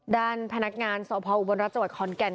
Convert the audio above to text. ด้านพนักงานสอบพออุบลรัฐจังหวัดขอนแก่น